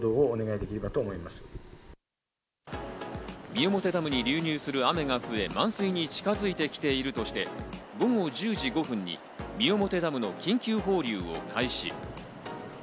三面ダムに流入する雨が増え、満水に近づいてきているとして、ここ１０時５分に三面ダムの緊急放流を開始。